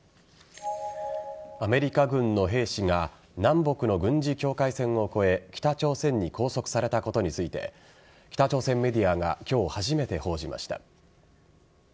アメリカ軍の兵士が南北の軍事境界線を越え北朝鮮に拘束されたことについて北朝鮮メディアが今日初めて報じました。